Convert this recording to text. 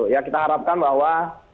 ya kita harapkan bahwa